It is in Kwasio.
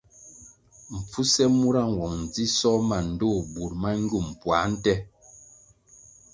Mpfuse mura nwong ndzisoh ma ndtoh bur ma ngywum puā nte.